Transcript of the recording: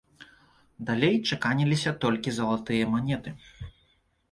Далей чаканіліся толькі залатыя манеты.